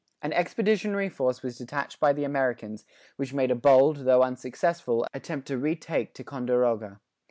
An expeditionary force was detached by the Americans, which made a bold, though unsuccessful, attempt to retake Ticonderoga.